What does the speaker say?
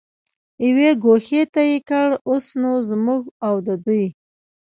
یوې ګوښې ته یې کړ، اوس نو زموږ او د دوی.